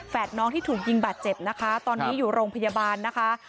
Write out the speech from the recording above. น้องที่ถูกยิงบาดเจ็บนะคะตอนนี้อยู่โรงพยาบาลนะคะ